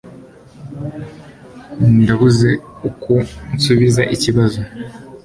Ndabuze uko nsubiza ikibazo.